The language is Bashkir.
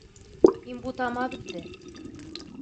Һин бутама беҙҙе.